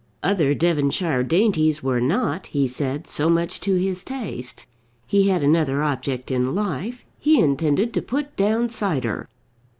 "Other Devonshire dainties were not," he said, "so much to his taste. He had another object in life. He intended to put down cider."